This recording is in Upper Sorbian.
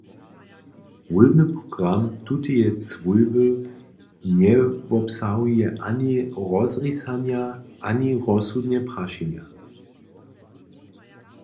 Wólbny program tuteje cwólby njewobsahuje ani rozrisanja ani rozsudne prašenja.